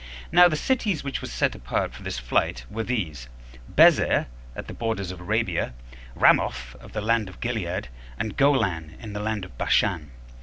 Now the cities which were set apart for this flight were these: Bezer, at the borders of Arabia; Ramoth, of the land of Gilead; and Golan, in the land of Bashan.